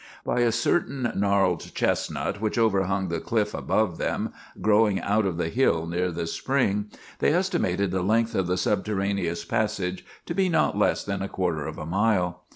By a certain gnarled chestnut which overhung the cliff above them, growing out of the hill near the spring, they estimated the length of the subterraneous passage to be not less than a quarter of a mile.